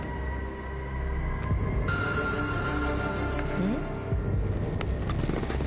うん？